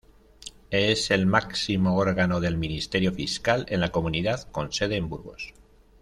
Es el máximo órgano del Ministerio Fiscal en la comunidad, con sede en Burgos.